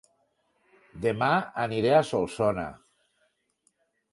Dema aniré a Solsona